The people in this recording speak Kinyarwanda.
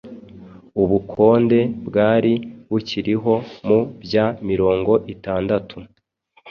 Ubukonde bwari bukiriho mu bya mirongo itandatu